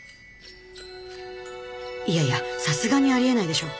いやいやさすがにありえないでしょ。